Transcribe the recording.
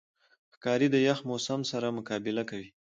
ښکاري د یخ موسم سره مقابله کوي.